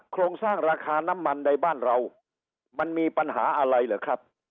โครงสร้างราคาน้ำมันในบ้านเรามันมีปัญหาอะไรเหรอครับ